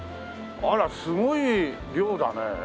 あらすごい量だね。